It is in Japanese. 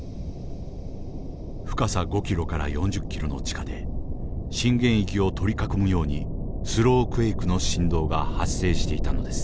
深さ５ｋｍから４０ｋｍの地下で震源域を取り囲むようにスロークエイクの震動が発生していたのです。